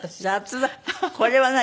これは何？